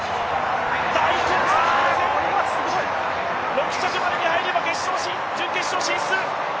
６着までに入れば準決勝進出。